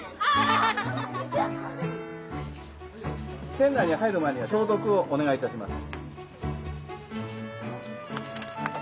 店内に入る前には消毒をお願いいたします。